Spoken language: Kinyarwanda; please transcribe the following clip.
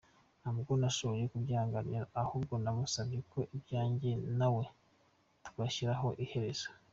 Ntabwo nashoboye kubyihanganira ahubwo nasamubye ko ibyanjye nawe twabishyiraho iherezo.